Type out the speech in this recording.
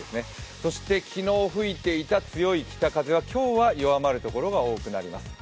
そして昨日吹いていた強い北風は今日は弱まる所が多くなります。